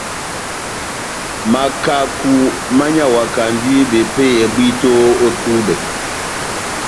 Makaku mányawakandi bepéyɛ bwíto ó tubɛ.